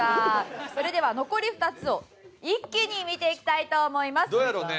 それでは残り２つを一気に見ていきたいと思います。